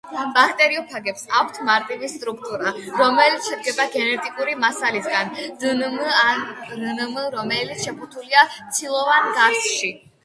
ბაქტერიოფაგებს აქვთმარტივი სტრუქტურა რომელიც შედგება გენეტიკური მასალისგან დნმ ან რნმ რომელიც შეფუთულია ცილოვან გარსში